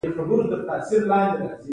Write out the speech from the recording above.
ويل به يې